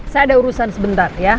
saya ada urusan sebentar ya